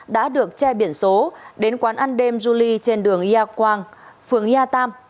đã được che biển số đến quán ăn đêm julie trên đường nha quang phường nha tam